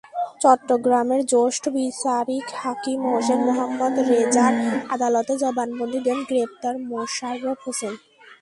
চট্টগ্রামের জ্যেষ্ঠ বিচারিক হাকিম হোসেন মোহাম্মদ রেজার আদালতে জবানবন্দি দেন গ্রেপ্তার মোশাররফ হোসেন।